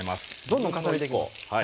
どんどん重ねていきます。